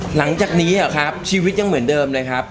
หลังจากนี้เหรอครับชีวิตยังเหมือนเดิมเลยครับ